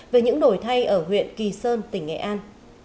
về những đổi thay ở huyện kỳ sơn tỉnh nghệ an